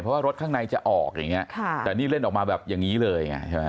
เพราะว่ารถข้างในจะออกอย่างนี้แต่นี่เล่นออกมาแบบอย่างนี้เลยไงใช่ไหม